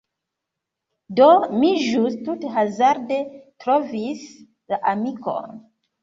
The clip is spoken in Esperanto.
Do, mi ĵus tute hazarde trovis la amikon...